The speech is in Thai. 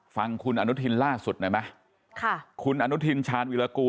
ฟังคุณอนุทินล่าสุดหน่อยไหมค่ะคุณอนุทินชาญวิรากูล